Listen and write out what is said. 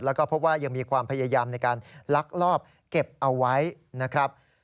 แล้วก็พบว่ายังมีความพยายามในการลักลอบเก็บเอาไว้นะครับ